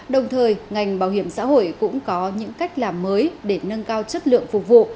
đồng thời ngành bảo hiểm xã hội cũng có những cách làm mới để nâng cao chất lượng phục vụ